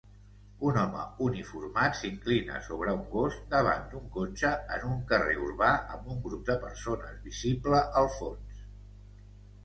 Un home uniformat s'inclina sobre un gos davant d'un cotxe en un carrer urbà amb un grup de persones visible al fons.